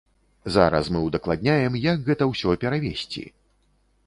Зараз мы ўдакладняем, як гэта ўсё перавезці.